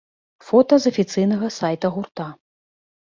Фота з афіцыйнага сайта гурта.